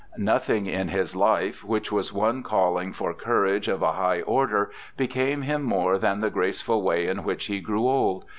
Nothing in his Hfe, which was one calling for courage of a high order, became him more than the graceful way in which he grew old.